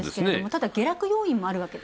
ただ下落要因も。